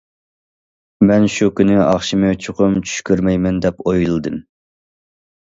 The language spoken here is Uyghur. مەن شۇ كۈنى ئاخشىمى چوقۇم چۈش كۆرمەيمەن دەپ ئويلىدىم.